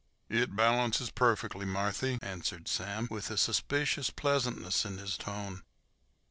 "It balances perfeckly, Marthy," answered Sam, with a suspicious pleasantness in his tone.